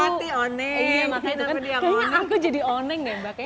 kayaknya aku jadi oneng